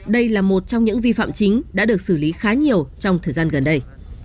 đây là một trong những vi phạm chính đã được xử lý khá nhiều trong thời gian gần đây